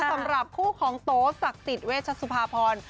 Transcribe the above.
สำหรับคู่ของโตศักดิ์สิทธิเวชสุภาพร